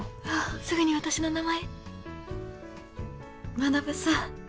あっすぐに私の名前学さん。